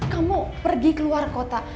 kamu pergi ke luar kota